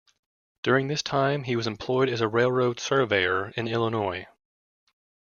During this time he was employed as a railroad surveyor in Illinois.